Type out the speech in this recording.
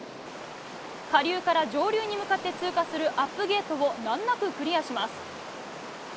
下流から上流に向かって通過するアップゲートを難なくクリアします。